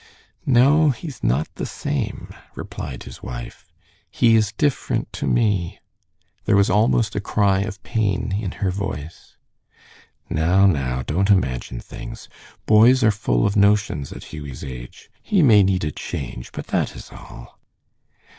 "No, he is not the same," replied his wife. "He is different to me." There was almost a cry of pain in her voice. "Now, now, don't imagine things. Boys are full of notions at Hughie's age. He may need a change, but that is all."